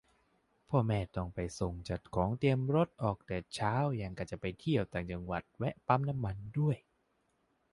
พ่อแม่ต้องไปส่ง จัดของ เตรียมรถ ออกแต่เช้า หยั่งกะจะไปเที่ยวต่างจังหวัด แวะปั๊มน้ำมันด้วย